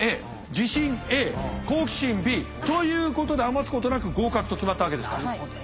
自信Ａ好奇心Ｂということで余すことなく合格と決まったわけですか。